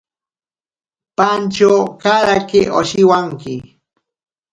Pantyo karake oshiwanki.